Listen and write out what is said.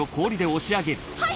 はい！